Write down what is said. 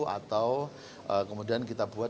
atau kemudian kita buat